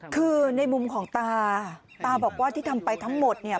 คือในมุมของตาตาบอกว่าที่ทำไปทั้งหมดเนี่ย